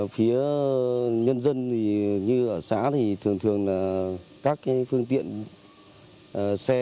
phía nhân dân thì như ở xã thì thường thường là các phương tiện xe